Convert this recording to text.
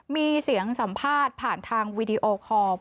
มีเสียงสัมภาษณ์ผ่านทางวีดีโอคอร์